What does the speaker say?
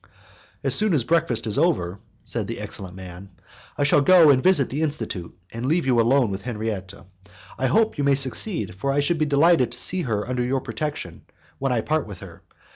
"As soon as breakfast is over," said the excellent man, "I shall go and visit the institute, and leave you alone with Henriette. I hope you may succeed, for I should be delighted to see her under your protection when I part with her.